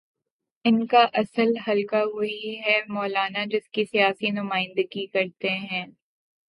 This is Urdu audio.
ان کا اصل حلقہ وہی ہے، مولانا جس کی سیاسی نمائندگی کرتے ہیں۔